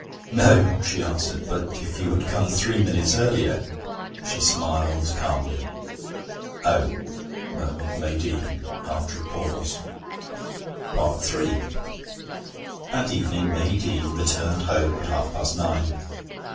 'No,' she answered; 'but if you had come three minutes earlier ' She smiled calmly. 'Oh!' murmured May Deane, after a pause. III That evening May Deane returned home at half past nine.